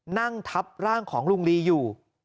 นั่งทับร่างของลุงลีอยู่